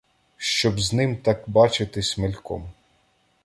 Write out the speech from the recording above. Щоб з ним так бачитись мельком.